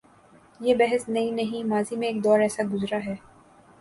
یہ بحث نئی نہیں، ماضی میں ایک دور ایسا گزرا ہے۔